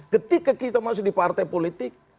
ketika kita masuk di partai politik